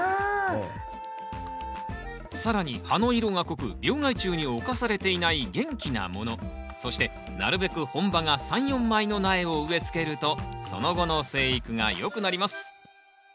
更に葉の色が濃く病害虫に侵されていない元気なものそしてなるべく本葉が３４枚の苗を植えつけるとその後の生育がよくなります。